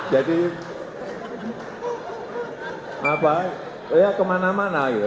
jadi apa ya kemana mana gitu